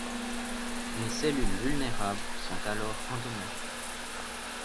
Les cellules vulnérables sont alors endommagées.